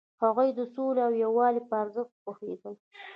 هغوی د سولې او یووالي په ارزښت پوهیدل.